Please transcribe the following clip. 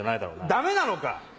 ダメなのか！